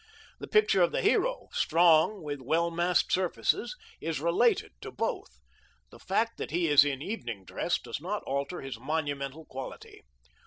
The picture of the hero, strong, with well massed surfaces, is related to both. The fact that he is in evening dress does not alter his monumental quality.